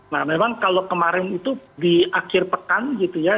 nah memang kalau kemarin itu di akhir pekan gitu ya